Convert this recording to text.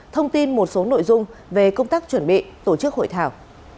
thông tin một số nội dung về công tác chuẩn bị tổ chức hội thảo